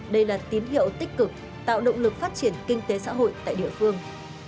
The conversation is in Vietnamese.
đây là tín hiệu tích cực tạo động lực phát triển kinh tế xã hội tại địa phương